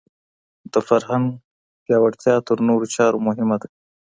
د فرهنګ پياوړتيا تر نورو چارو مهمه ده.